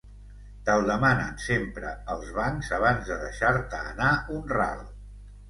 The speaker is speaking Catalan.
Te'l demanen sempre els bancs abans de deixar-te anar un ral.